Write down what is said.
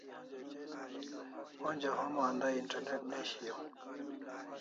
Onja homa andai internet ne shiau